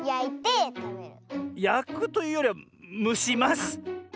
やくというよりはむします。